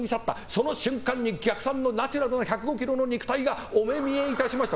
その瞬間に逆三のナチュラルな１０５ｋｇの肉体がお目見えいたしました。